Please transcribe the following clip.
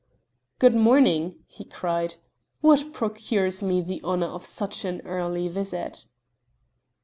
"Good morning," he cried, "what procures me the honor of such an early visit?"